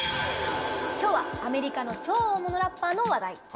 きょうはアメリカの超大物ラッパーの話題。